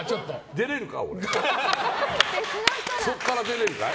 出れるか？